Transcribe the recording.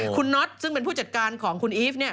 คุณน็อตซึ่งเป็นผู้จัดการของคุณอีฟเนี่ย